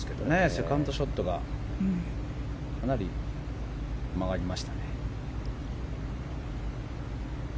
セカンドショットがかなり曲がりました。